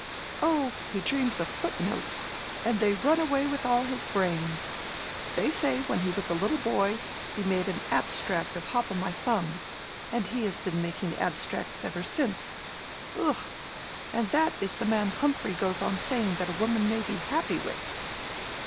"Oh, he dreams footnotes, and they run away with all his brains. They say, when he was a little boy, he made an abstract of 'Hop o' my Thumb,' and he has been making abstracts ever since. Ugh! And that is the man Humphrey goes on saying that a woman may be happy with."